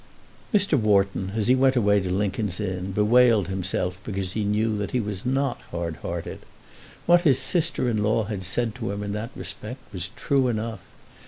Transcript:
Mr. Wharton, as he went away to Lincoln's Inn, bewailed himself because he knew that he was not hard hearted. What his sister in law had said to him in that respect was true enough.